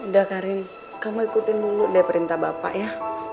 udah karin kamu ikutin dulu deh perintah bapak ya